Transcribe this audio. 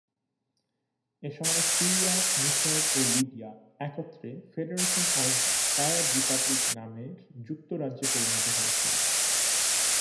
এসময় সিরিয়া, মিশর ও লিবিয়া একত্রে ফেডারেশন অফ আরব রিপাবলিক নামের যুক্তরাজ্যে পরিণত হয়েছিলো।